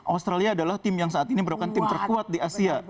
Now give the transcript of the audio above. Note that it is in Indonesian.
australia adalah tim yang saat ini merupakan tim terkuat di asia